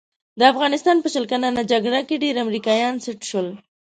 د افغانستان په شل کلنه جګړه کې ډېر امریکایان سټ شول.